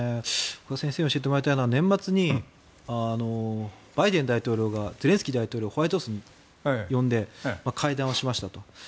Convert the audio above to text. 先生に教えてもらいたいのは年末にバイデン大統領がゼレンスキー大統領をホワイトハウスに呼んで会談をしましたと。